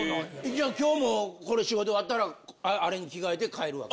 じゃあ今日もこれ仕事終わったらあれに着替えて帰るわけ？